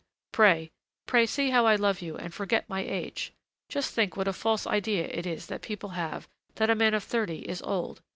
Pray, pray, see how I love you and forget my age! Just think what a false idea it is that people have that a man of thirty is old.